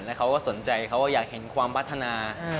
แล้วเขาก็สนใจเขาอยากเห็นความพัฒนา